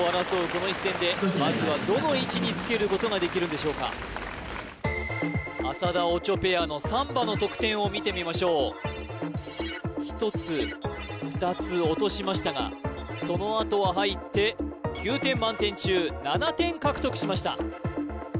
この一戦でまずはどの位置につけることができるんでしょうか浅田・オチョペアのサンバの得点を見てみましょう１つ２つ落としましたがそのあとは入って９点満点中７点獲得しました